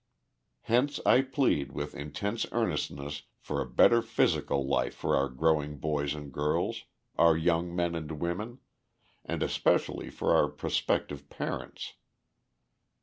Hence I plead, with intense earnestness, for a better physical life for our growing boys and girls, our young men and women, and especially for our prospective parents.